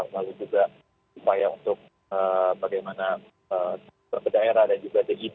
lalu juga supaya untuk bagaimana berbeda era dan juga dgd